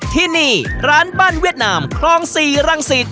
ที่นี่ร้านบ้านเวียดนามคลอง๔รังสิต